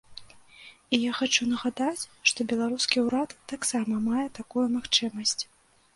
І я хачу нагадаць, што беларускі ўрад таксама мае такую магчымасць.